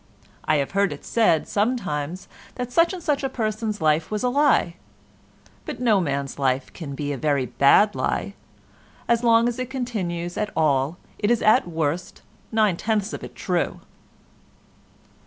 I have heard it said sometimes that such and such a person's life was a lie: but no man's life can be a very bad lie; as long as it continues at all it is at worst nine tenths of it true.